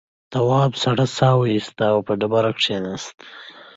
تواب سړه سا ایسته پر ډبره کېناست.